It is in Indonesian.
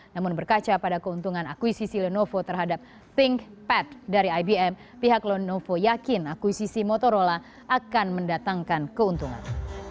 namun berkaca pada keuntungan akuisisi lenovo terhadap think pad dari ibm pihak lenovo yakin akuisisi motorola akan mendatangkan keuntungan